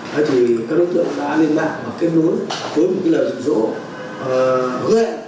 các đối tượng đã lên mạng và kết nối với một lời dụ dỗ hứa hẹn